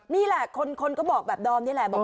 นี่แหละคนก็บอกแบบดอมนี่แหละบอก